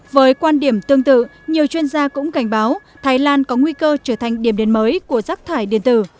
với quan điểm tương tự nhiều chuyên gia cũng cảnh báo thái lan có nguy cơ trở thành điểm đến mới của rác thải điện tử